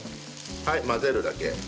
はい混ぜるだけ。